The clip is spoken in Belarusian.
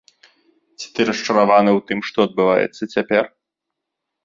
Ці ты расчараваны ў тым, што адбываецца цяпер?